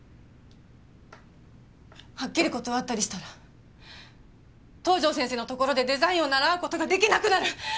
はっきり断ったりしたら東条先生のところでデザインを習う事が出来なくなる。